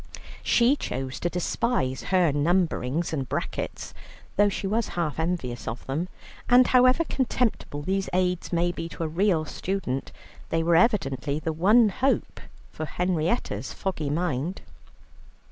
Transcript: She chose to despise her numberings and brackets, though she was half envious of them. And, however contemptible these aids may be to a real student, they were evidently the one hope for Henrietta's foggy mind.